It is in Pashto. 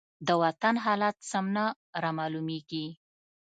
د وطن حالات سم نه رامالومېږي.